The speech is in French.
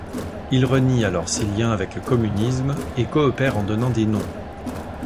Il renie alors ses liens avec le communisme et coopère en donnant des noms.